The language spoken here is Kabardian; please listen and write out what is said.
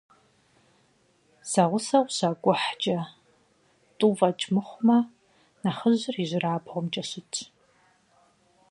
Зэгъусэу къыщакӀухькӀэ, тӀу фӀэкӀ мыхъумэ, нэхъыжьыр ижьырабгъумкӀэ щытщ.